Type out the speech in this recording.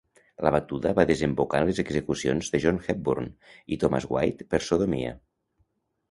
La batuda va desembocar en les execucions de John Hepburn i Thomas White per sodomia.